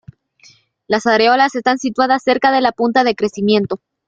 Las areolas están situadas cerca de la punta de crecimiento.